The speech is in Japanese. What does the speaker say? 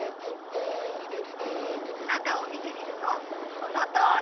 中を見てみるとこのとおり。